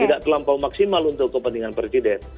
tidak terlampau maksimal untuk kepentingan presiden